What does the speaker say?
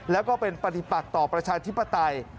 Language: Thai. แล้วก็เป็นปฏิปักต่อประชาธิปไตย